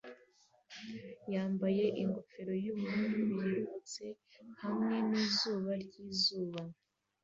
yambaye ingofero yubururu yerurutse hamwe nizuba ryizuba